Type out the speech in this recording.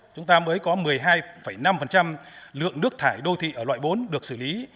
chúng ta mới có một mươi hai năm lượng nước thải đô thị ở loại bốn được xử lý